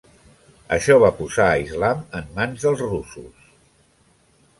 Això va posar a Islam en mans dels russos.